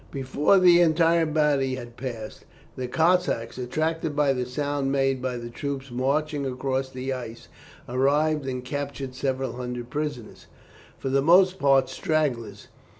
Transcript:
Before the entire body had passed, the Cossacks, attracted by the sound made by the troops marching across the ice, arrived and captured several hundred prisoners, for the most part stragglers.